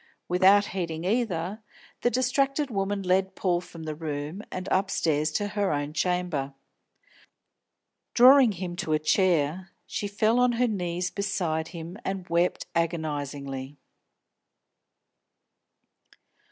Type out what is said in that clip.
Without heeding either, the distracted woman led Paul from the room, and upstairs to her own chamber. Drawing him to a chair, she fell on her knees beside him and wept agonisingly.